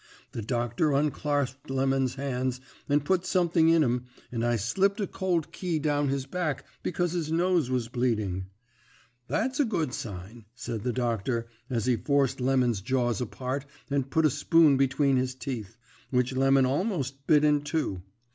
The doctor unclarsped Lemon's hands and put something in 'em, and I slipped a cold key down his back because his nose was bleeding. "'That's a good sign,' said the doctor, as he forced Lemon's jaws apart and put a spoon between his teeth, which Lemon almost bit in two.